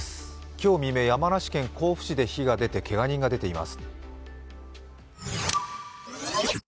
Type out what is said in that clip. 今日未明、山梨県甲府市で火が出てけが人が出ています。